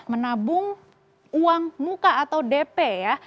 menabung uang muka atau dp ya